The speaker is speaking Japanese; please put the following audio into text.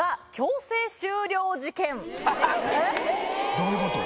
どういうこと？